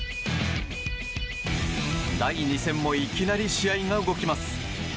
第２戦もいきなり試合が動きます。